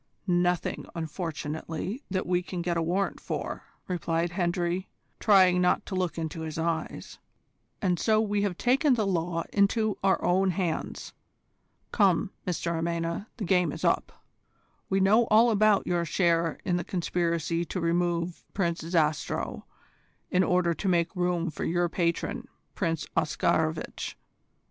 "Nothing, unfortunately, that we can get a warrant for," replied Hendry, trying not to look into his eyes, "and so we have taken the law into our own hands. Come, Mr Amena, the game is up. We know all about your share in the conspiracy to remove Prince Zastrow in order to make room for your patron Prince Oscarovitch.